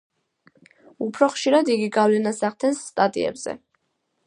უფრო ხშირად იგი გავლენას ახდენს სტატიებზე.